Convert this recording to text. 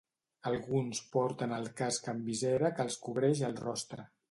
Alguns porten un casc amb visera que els cobreix el rostre.